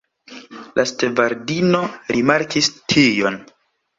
La stevardino rimarkis tion.